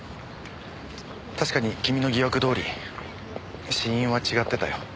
確かに君の疑惑どおり死因は違ってたよ。